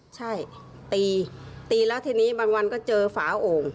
ใช่ตีไม่ว่างก็จะเจอฝาโอ่ง